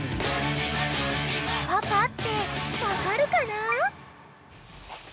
［パパって分かるかな？］